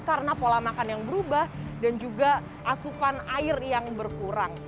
karena pola makan yang berubah dan juga asupan air yang berkurang